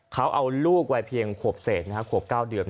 เขาเอาลูกไว้เพียงขวบเศษขวบก้าวเดือม